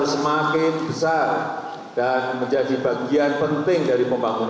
untuk berkongsi tentang hal tersebut